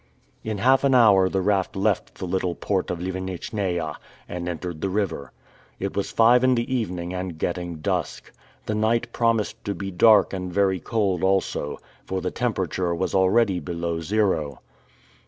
In half an hour the raft left the little port of Livenitchnaia, and entered the river. It was five in the evening and getting dusk. The night promised to be dark and very cold also, for the temperature was already below zero.